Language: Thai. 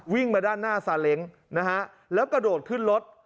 วิ่งมาด้านหน้าสาเล็งก์แล้วกระโดดขึ้นรถ